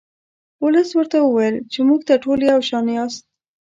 ولس ورته وویل چې موږ ته ټول یو شان یاست.